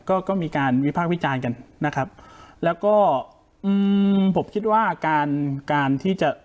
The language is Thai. ก็ก็มีการวิพากษ์วิจารณ์กันนะครับแล้วก็อืมผมคิดว่าการการที่จะ